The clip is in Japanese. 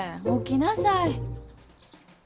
起きなさい。